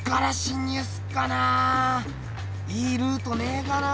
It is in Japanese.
いいルートねえかな？